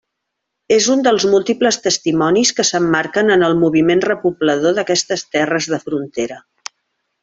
És un dels múltiples testimonis que s'emmarquen en el moviment repoblador d'aquestes terres de frontera.